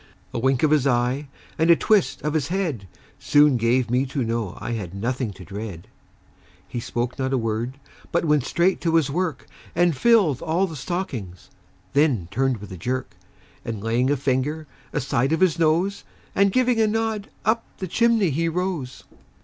A wink of his eye, and a twist of his head, Soon gave me to know I had nothing to dread. He spoke not a word, but went straight to his work, And filled all the stockings; then turned with a jerk, And laying his finger aside of his nose, And giving a nod, up the chimney he rose.